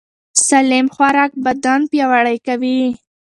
سالم خوراک بدن پیاوړی کوي.